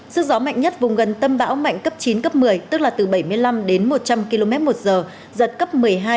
sức gió mạnh nhất vùng gần tâm bão mạnh cấp chín cấp một mươi tức là từ bảy mươi năm đến một trăm linh km một giờ giật cấp một mươi hai